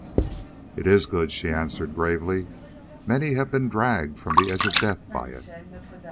"It is good," she answered gravely; "many have been dragged from the edge of death by it."